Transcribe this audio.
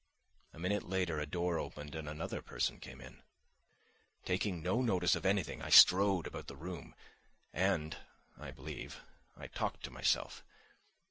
A minute later a door opened and another person came in. Taking no notice of anything I strode about the room, and, I believe, I talked to myself.